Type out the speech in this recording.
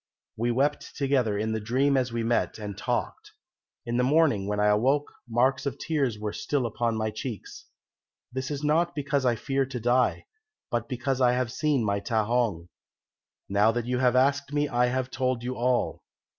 We wept together in the dream as we met and talked. In the morning, when I awoke, marks of tears were still upon my cheeks. This is not because I fear to die, but because I have seen my Ta hong. Now that you have asked me I have told you all.